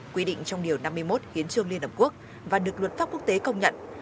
quy định trong điều năm mươi một hiến trương liên hợp quốc và được luật pháp quốc tế công nhận